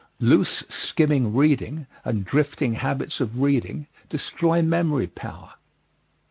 Loose, skimming reading, and drifting habits of reading destroy memory power.